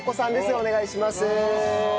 お願いします。